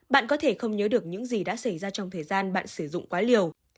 bạn có thể không nhớ được những gì đã xảy ra trong thời gian bạn sử dụng quá liều